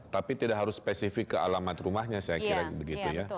tapi tidak harus spesifik ke alamat rumahnya saya kira begitu ya